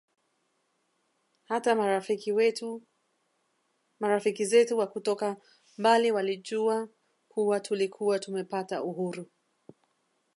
Hata marafiki zetu wakutoka mbali walijua kuwa tulikuwa tumepata uhuru